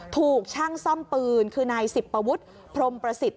ถูกช่างซ่อมปืนคือนายสิบปวุฒิพรมประสิทธิ